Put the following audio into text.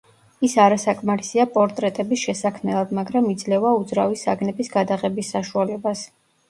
ის არასაკმარისია პორტრეტების შესაქმნელად, მაგრამ იძლევა უძრავი საგნების გადაღების საშუალებას.